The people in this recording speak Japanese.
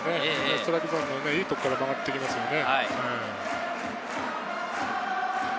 ストライクゾーンのいいところから曲がっていきますよね。